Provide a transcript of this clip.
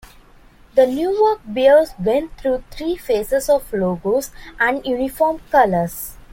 The Newark Bears went through three phases of logos and uniform colors.